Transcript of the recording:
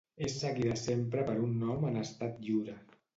És seguida sempre per un nom en estat lliure.